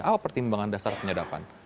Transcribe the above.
apa pertimbangan dasar penyadapan